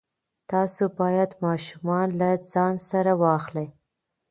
تاسو باید ماشومان له ځان سره واخلئ.